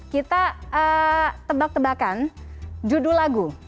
kita tebak tebakan judul lagu